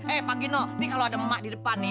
eh pak gino ini kalau ada emak di depan nih